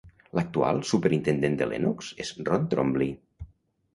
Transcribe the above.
L'actual superintendent de Lenox és Ron Trombly.